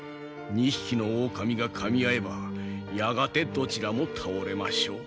２匹の狼がかみ合えばやがてどちらも倒れましょう。